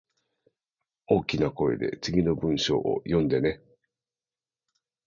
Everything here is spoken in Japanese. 大きな声で次の文章を読んでね